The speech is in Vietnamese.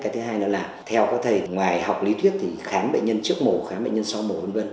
cái thứ hai nữa là theo các thầy ngoài học lý thuyết thì khám bệnh nhân trước mổ khám bệnh nhân sau mổ v v